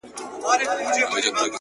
نه پاته کيږي” ستا د حُسن د شراب” وخت ته”